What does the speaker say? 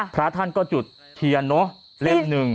พระท่านก็จุดเทียนเนอะเล่มหนึ่ง